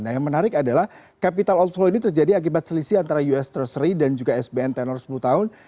nah yang menarik adalah capital outflow ini terjadi akibat selisih antara us treasury dan juga sbn tenor sepuluh tahun